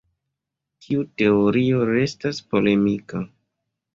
Tiu teorio restas polemika.